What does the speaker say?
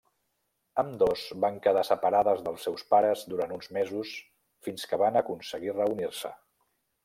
Ambdós van quedar separades dels seus pares durant uns mesos fins que van aconseguir reunir-se.